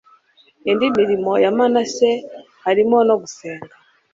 indi mirimo ya manase harimo no gusenga